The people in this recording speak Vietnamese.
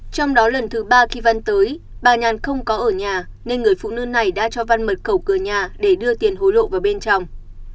trong đó lần thứ ba kỳ văn tới bà nhàn không có ở nhà nên người phụ nữ này đã cho văn mở cầu cửa nhà để đưa tiền hối lộ vào bên trong